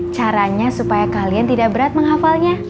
caranya supaya kalian tidak berat menghafalnya